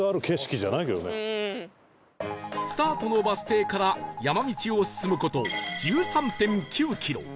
スタートのバス停から山道を進む事 １３．９ キロ